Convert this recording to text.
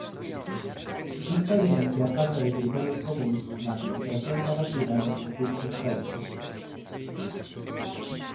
Isto evidencia a falta de criterios comúns na Administración da vacina nos distintos países.